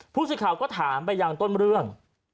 ผู้สื่อข่าวก็ถามไปยังต้นเรื่อง